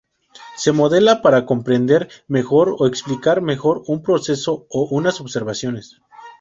Se modela para comprender mejor o explicar mejor un proceso o unas observaciones.